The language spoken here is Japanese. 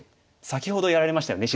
先ほどやられましたよね